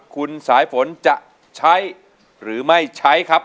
คุณสายฝนจะใช้หรือไม่ใช้ครับ